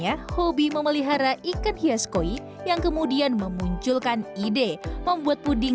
empat tahun mendalami dunia kuliner khusus hidangan pencuci mulut dalam puding